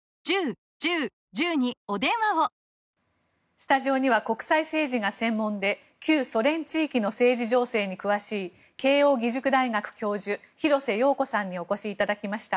スタジオには国際政治が専門で旧ソ連地域の政治情勢に詳しい慶應義塾大学教授廣瀬陽子さんにお越しいただきました。